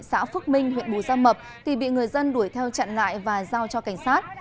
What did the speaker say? xã phước minh huyện bù gia mập thì bị người dân đuổi theo chặn lại và giao cho cảnh sát